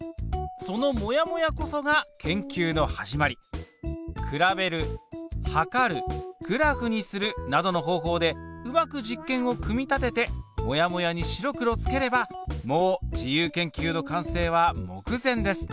そのモヤモヤこそが研究の始まり。などの方法でうまく実験を組み立ててモヤモヤに白黒つければもう自由研究の完成は目前です。